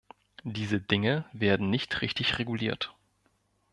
Diese Dinge werden nicht richtig reguliert.